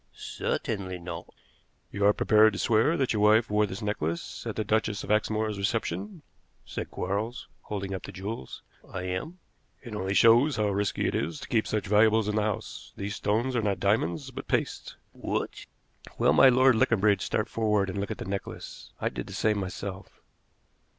"Certainly not!" "You are prepared to swear that your wife wore this necklace at the Duchess of Exmoor's reception?" said Quarles, holding up the jewels. "I am." "It only shows how risky it is to keep such valuables in the house. These stones are not diamonds, but paste." "What!" Well might Lord Leconbridge start forward and look at the necklace. I did the same myself.